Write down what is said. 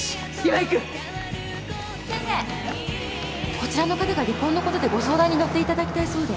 こちらの方が離婚のことでご相談に乗っていただきたいそうで。